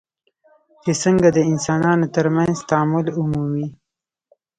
چې څنګه د انسانانو ترمنځ تعامل ومومي.